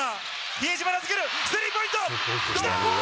比江島が来る、スリーポイント、きたー！